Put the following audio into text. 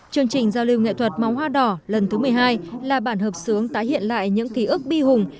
chương trình giao lưu nghệ thuật móng hoa đỏ lần thứ một mươi hai là bản hợp sướng tái hiện lại những ký ức bi hùng